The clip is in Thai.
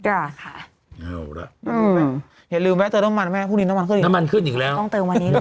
แล้วล่ะอย่าลืมว่าเติมน้ำมันไหมพรุ่งนี้น้ำมันขึ้นอีกแล้วต้องเติมวันนี้เลยค่ะ